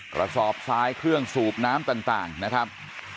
กระสอบซ้ายเครื่องสูบน้ำต่างนะครับ